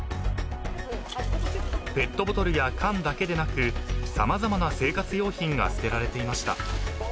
［ペットボトルや缶だけでなく様々な生活用品が捨てられていました］